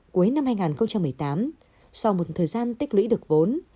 cuối năm hai nghìn một mươi tám sau một thời gian tích lũy được vốn